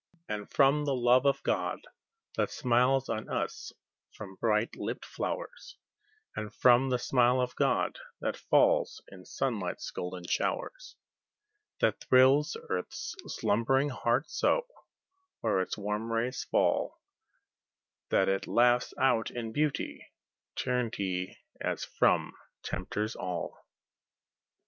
And from the love of God that smiles on us from bright lipped flowers, And from the smile of God that falls in sunlight's golden showers, That thrills earth's slumbering heart so, where its warm rays fall That it laughs out in beauty, turned he as from tempters all.